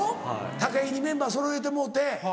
武井にメンバーそろえてもろうて。